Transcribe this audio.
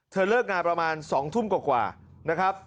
เลิกงานประมาณ๒ทุ่มกว่านะครับ